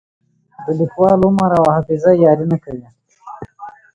د لیکوال عمر او حافظه یاري نه کوي.